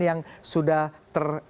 yang sudah terkutuk